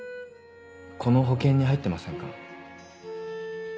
この保険に入ってませんか？